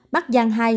bắc giang hai